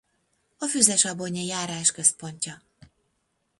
A Füzesabonyi járás központja.